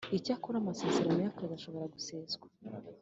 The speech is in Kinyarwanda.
Icyakora amasezerano y akazi ashobora guseswa